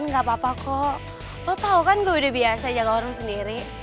kok lo tau kan gue udah biasa jaga orang sendiri